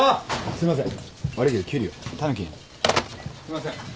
すいません。